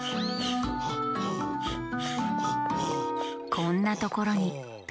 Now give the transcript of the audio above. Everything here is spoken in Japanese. こんなところにベンチ？